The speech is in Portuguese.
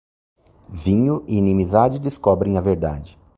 Vinho e inimizade descobrem a verdade.